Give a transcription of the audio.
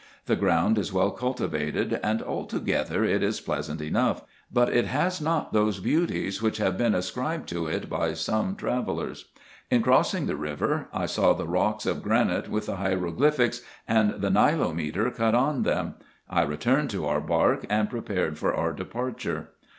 The ground is well cultivated, and altogether it is pleasant enough ; but it has not those beauties, which have been ascribed to it by some travellers. In crossing the river, I saw the rocks of granite, with the hieroglyphics and the IN EGYPT, NUBIA, &c. 63 Xilometer cut on them. I returned to our bark, and prepared for our departure.